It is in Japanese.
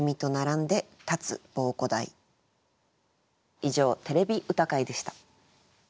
以上「てれび歌会」でした。